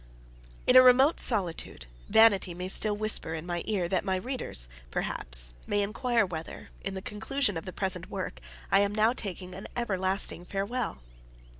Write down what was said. In a remote solitude, vanity may still whisper in my ear, that my readers, perhaps, may inquire whether, in the conclusion of the present work, I am now taking an everlasting farewell.